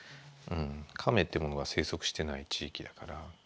カメってものが生息してない地域だから。